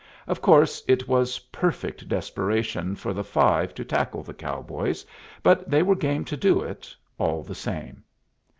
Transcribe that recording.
Of course it was perfect desperation for the five to tackle the cowboys, but they were game to do it, all the same.